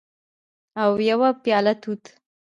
او یوه پیاله توت